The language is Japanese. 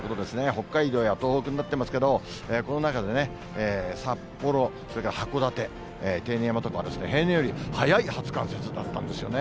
北海道や東北になってますけど、この中でね、札幌、それから函館、手稲山とかはですね、平年より早い初冠雪だったんですね。